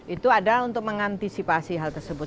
itu adalah untuk mengantisipasi hal tersebut